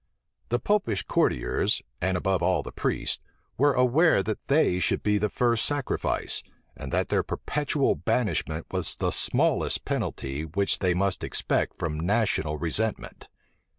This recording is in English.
The Popish courtiers, and above all the priests, were aware that they should be the first sacrifice, and that their perpetual banishment was the smallest penalty which they must expect from national resentment.